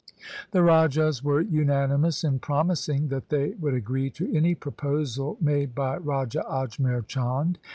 The rajas were unanimous in promising that they would agree to any proposal made by Raja Ajmer Chand.